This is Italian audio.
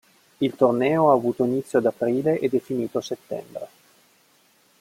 Il torneo ha avuto inizio ad aprile ed è finito a settembre.